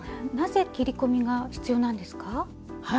なぜ切り込みが必要なんですか？